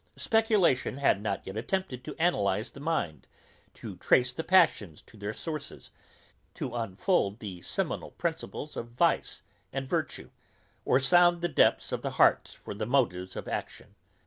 Speculation had not yet attempted to analyse the mind, to trace the passions to their sources, to unfold the seminal principles of vice and virtue, or sound the depths of the heart for the motives of action.